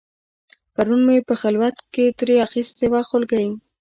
پرون مې په خلوت کې ترې اخیستې وه خولګۍ